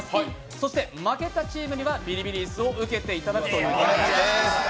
そして負けたチームにはビリビリ椅子を受けていただきます。